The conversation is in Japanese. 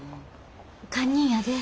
堪忍やで。